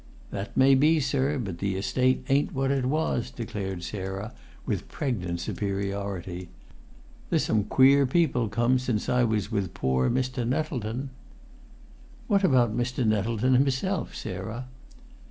"That may be, sir, but the Estate ain't what it was," declared Sarah, with pregnant superiority. "There's some queer people come since I was with pore Mr. Nettleton." "What about Mr. Nettleton himself, Sarah?"